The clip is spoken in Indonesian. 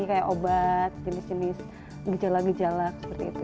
kayak obat jenis jenis gejala gejala seperti itu